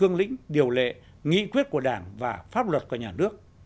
cương lĩnh điều lệ nghị quyết của đảng và pháp luật của nhà nước